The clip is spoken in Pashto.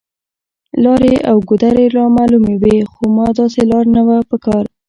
لارې او ګودرې رامعلومې وې، خو ما داسې لار نه وه په کار.